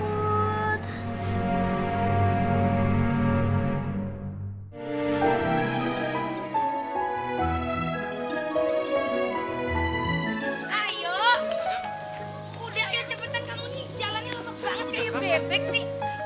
ayo udah ya cepetan kamu nih jalannya lemak banget kayak bebek sih